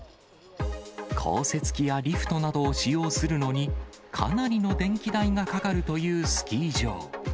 降雪機やリフトなどを使用するのに、かなりの電気代がかかるというスキー場。